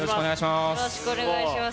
よろしくお願いします。